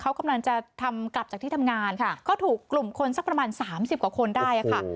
เขากำลังจะทำกลับจากที่ทำงานค่ะก็ถูกกลุ่มคนสักประมาณสามสิบกว่าคนได้ค่ะ